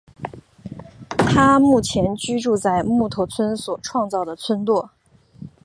他目前居住在木头村所创造的村落。